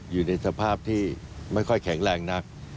อยู่ในสภาพที่ไม่ค่อยแข็งแรงนัก